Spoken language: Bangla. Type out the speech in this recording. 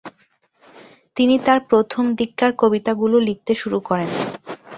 তিনি তার প্রথমদিককার কবিতাগুলো লিখতে শুরু করেন।